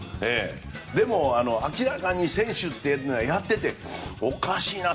でも、明らかに選手ってやってて、おかしいな。